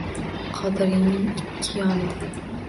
Qodiriyning ikki yonida.